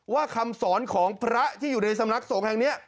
คำสอนของพระที่อยู่ในสำนักสงฆ์แห่งนี้